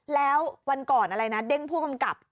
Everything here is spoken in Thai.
แล้ววันก่อนอะไรนะเด้งผู้กำกับ